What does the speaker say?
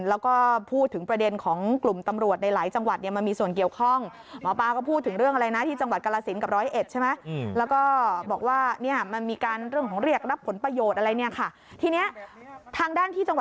แล้วก็พูดถึงประเด็นของกลุ่มตำรวจในหลายจังหวัดเนี่ยมันมีส่วนเกี่ยวข้อง